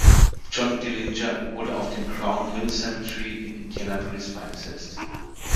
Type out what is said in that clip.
John Dillinger wurde auf dem Crown Hill Cemetery in Indianapolis beigesetzt.